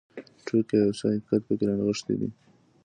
ټوکې او یو څه حقیقت پکې رانغښتی دی.